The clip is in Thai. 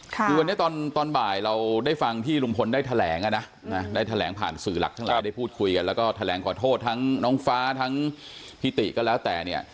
คือวันนี้ตอนบ่ายเราได้ฟังที่ลุงพลได้แถลงได้แถลงผ่านสื่อหลักทั้งหลายได้พูดคุยกันแล้วก็แถลงขอโทษทั้งน้องฟ้าทั้งพี่ติก็แล้วแต่เนี่ย